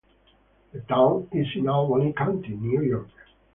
The town is in Albany County, New York.